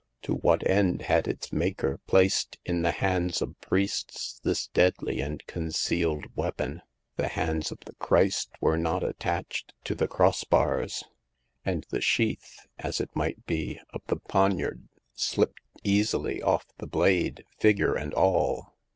To what end had its maker placed in the hands of priests this deadly and concealed weapon ? The hands of the Christ were not attached to the cross bars ; and the sheath— as it might be — of the poniard slipped easily off the blade, figure and all.